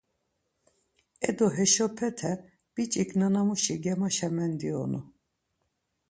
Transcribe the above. Edo, heşopete biç̌ik nana muşi germaşa mendionu.